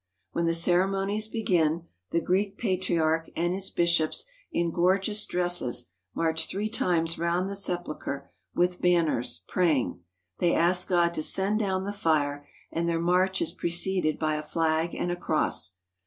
When the ceremonies begin, the Greek Patriarch and his bishops in gorgeous dresses march three times round the Sepulchre with banners, praying. They ask God to send down the fire, and their march is preceded by a flag and a cross.